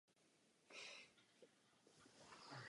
Zde setrval dvě sezóny.